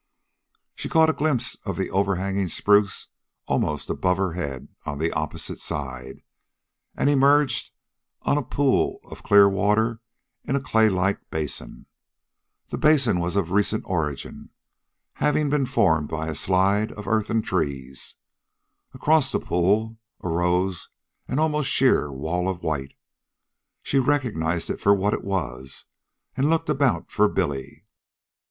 She caught a glimpse of the overhanging spruce, almost above her head on the opposite side, and emerged on a pool of clear water in a clay like basin. This basin was of recent origin, having been formed by a slide of earth and trees. Across the pool arose an almost sheer wall of white. She recognized it for what it was, and looked about for Billy.